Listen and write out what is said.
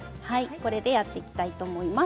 これでやっていきたいと思います。